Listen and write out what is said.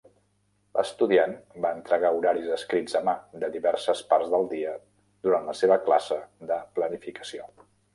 L'estudiant va entregar horaris escrits a mà de diverses parts del dia durant la seva classe de planificació.